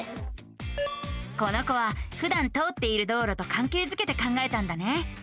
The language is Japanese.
この子はふだん通っている道路とかんけいづけて考えたんだね。